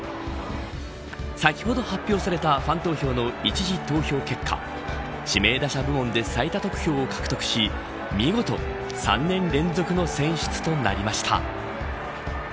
先ほど発表されたファン投票の一次投票結果指名打者部門で最多得票を獲得し見事、３年連続の選出となりました。